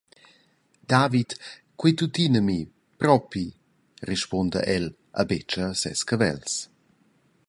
«David, quei ei tuttina a mi, propi», rispunda el e betscha ses cavels.